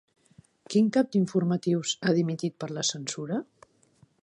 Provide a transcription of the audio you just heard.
Quin cap d'informatius ha dimitit per la censura?